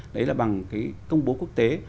đấy là bằng công bố quốc tế